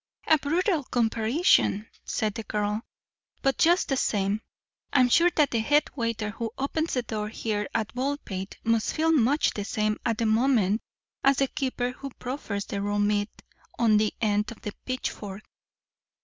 "A brutal comparison," said the girl. "But just the same I'm sure that the head waiter who opens the door here at Baldpate must feel much the same at the moment as the keeper who proffers the raw meat on the end of the pitchfork.